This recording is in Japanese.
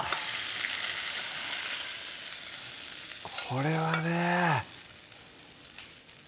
これはね